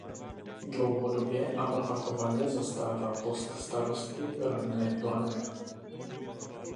Dlouhodobě a opakovaně zastával post starosty rodné Plané.